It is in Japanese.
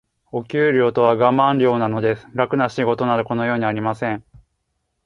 お給料とはガマン料なのです。楽な仕事など、この世にはありません。